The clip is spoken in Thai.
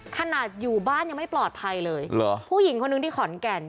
ขนาดอยู่บ้านยังไม่ปลอดภัยเลยเหรอผู้หญิงคนนึงที่ขอนแก่น